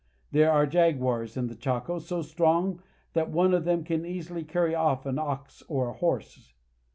There are jaguars in the Chaco so strong that one of them can easily carry off an ox or a horse.